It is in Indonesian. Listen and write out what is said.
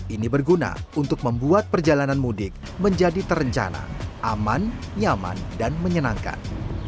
ini berguna untuk membuat perjalanan mudik menjadi terencana aman nyaman dan menyenangkan